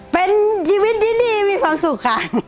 เป็นชีวิตที่ดีมีความสุขค่ะ